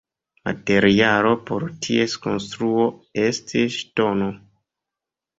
Materialo por ties konstruo estis ŝtono.